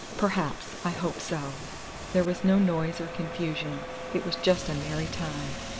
"Perhaps; I hope so. There was no noise or confusion; it was just a merry time.